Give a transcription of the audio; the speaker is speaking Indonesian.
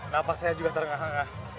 napas saya juga terengah engah